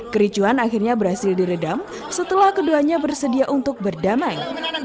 kericuan akhirnya berhasil diredam setelah keduanya bersedia untuk berdamai